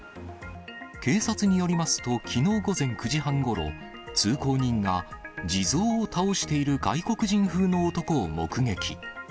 警察によりますと、きのう午前９時半ごろ、通行人が地蔵を倒している外国人風の男を目撃。